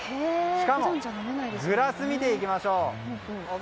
しかもグラスを見ていきましょう。